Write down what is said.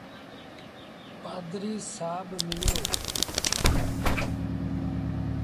پڌريٚ سآب مليو۔